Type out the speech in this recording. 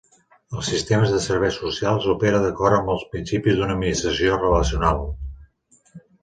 El sistema de serveis socials opera d'acord amb els principis d'una administració relacional.